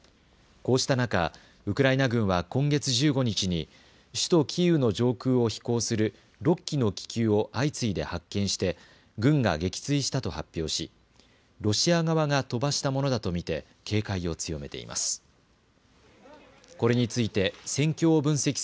こうした中、ウクライナ軍は今月１５日に首都キーウの上空を飛行する６機の気球を相次いで発見して軍が撃墜したと発表しロシア側が飛ばしたものだと見て警戒を強めています。